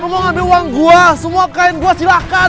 kamu mau ambil uang gue semua kain gue silahkan